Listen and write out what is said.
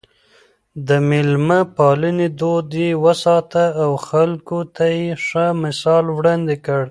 د مېلمه پالنې دود يې وساته او خلکو ته يې ښه مثال وړاندې کړ.